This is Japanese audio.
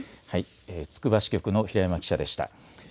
つくば支局の平山記者でした。